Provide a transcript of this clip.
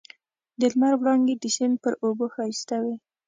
د لمر وړانګې د سیند پر اوبو ښایسته وې.